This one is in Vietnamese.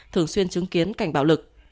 thường xuyên chứng kiến cảnh bạo lực